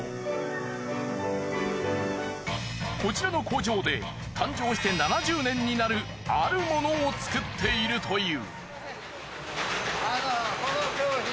こちらの工場で誕生して７０年になるあるものを作っているという。